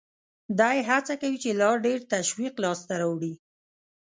دی هڅه کوي چې لا ډېر تشویق لاس ته راوړي